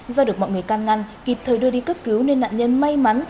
do được mọi người can ngăn kịp thời đưa đi cấp cứu nên nạn nhân may mắn